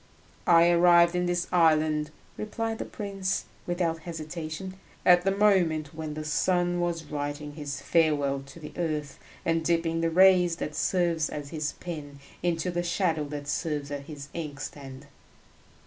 "I arrived in this island," replied the prince without hesitation, "at the moment when the sun was writing his farewell to the earth and dipping the rays that serves as his pen into the shadow that serves as his inkstand."